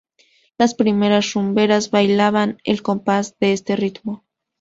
Las primeras rumberas bailaban al compás de este ritmo.